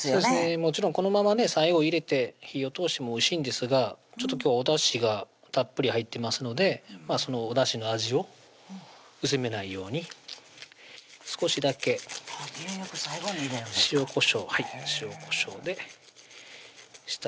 もちろんこのままね最後入れて火を通してもおいしいんですが今日はおだしがたっぷり入ってますのでそのおだしの味を薄めないように少しだけ牛肉最後に入れるんだ塩・こしょうで下味を付けていきます